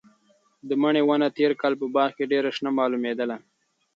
د مڼې ونه تېر کال په باغ کې ډېره شنه معلومېدله.